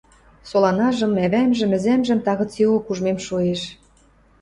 Соланажым, ӓвӓмжӹм, ӹзӓмжӹм, тагыцеок ужмем шоэш.